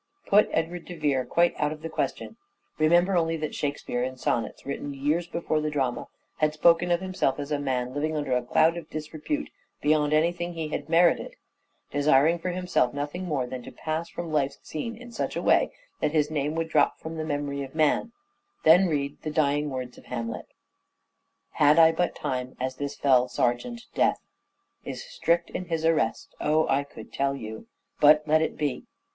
Put Edward de Vere quite out of the question ; remember only that " Shakespeare," in sonnets written years before the drama, had spoken of himself as a man living under a cloud of disrepute beyond anything he had merited, desiring for himself nothing more than to pass from life's scene in such a way that his name would drop from the memory of man, then read the dying words of Hamlet :" Had I but time as this fell sergeant, death, Is strict in his arrest, 0, I could tell you, —• But let it be.